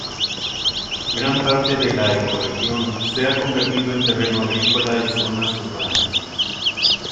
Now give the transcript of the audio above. Gran parte de la ecorregión se ha convertido en terreno agrícola y zonas urbanas.